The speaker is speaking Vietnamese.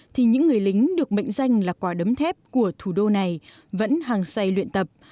thì những người lính được mệnh danh là quả đấm thép của thủ đô này vẫn hàng xay luyện tập